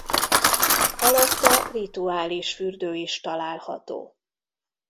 Alatta rituális fürdő is található.